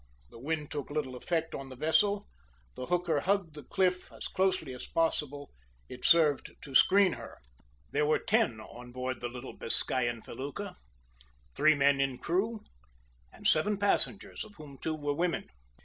The wind took little effect on the vessel; the hooker hugged the cliff as closely as possible; it served as a screen to her. There were ten on board the little Biscayan felucca three men in crew, and seven passengers, of whom two were women.